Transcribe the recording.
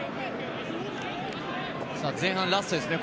前半ラストですね。